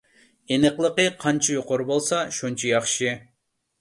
ئېنىقلىقى قانچە يۇقىرى بولسا شۇنچە ياخشى.